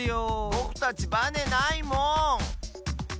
ぼくたちバネないもん！